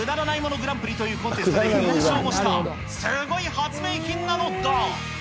グランプリというコンテストで優勝もした、すごい発明品なのだ。